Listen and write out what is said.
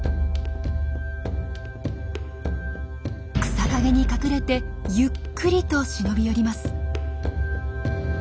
草陰に隠れてゆっくりと忍び寄ります。